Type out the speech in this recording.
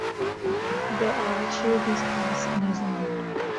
There are two of these cars in New Zealand.